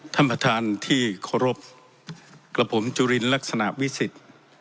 ท่านประธานที่เคารพกับผมจุลินลักษณะวิสิทธิ์